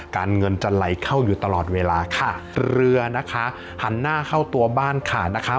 การเงินจะไหลเข้าอยู่ตลอดเวลาค่ะเรือนะคะหันหน้าเข้าตัวบ้านขาดนะคะ